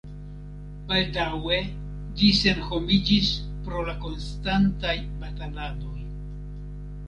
Baldaŭe ĝi senhomiĝis pro la konstantaj bataladoj.